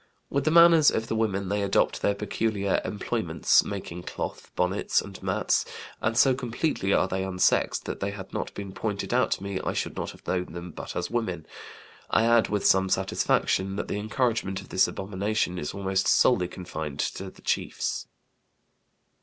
With the manners of the women they adopt their peculiar employments, making cloth, bonnets, and mats; and so completely are they unsexed that had they not been pointed out to me I should not have known them but as women. I add, with some satisfaction, that the encouragement of this abomination is almost solely confined to the chiefs."